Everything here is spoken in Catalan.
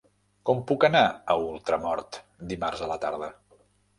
Com puc anar a Ultramort dimarts a la tarda?